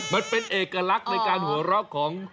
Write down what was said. มันเป็นเอกลักษณ์ในการหัวเราะของ